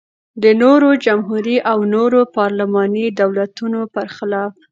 د نورو جمهوري او نورو پارلماني دولتونو پرخلاف.